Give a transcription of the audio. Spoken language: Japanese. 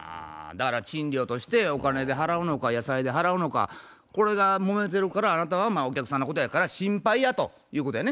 だから賃料としてお金で払うのか野菜で払うのかこれがもめてるからあなたはお客さんのことやから心配やということやね。